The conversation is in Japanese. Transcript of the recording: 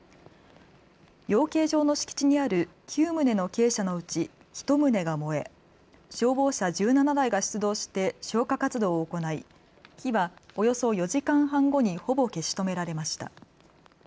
養鶏場の敷地にある９棟の鶏舎のうち１棟が燃え消防車１７台が出動して消火活動を行い火はおよそ４時間半後にほぼ消し止められました。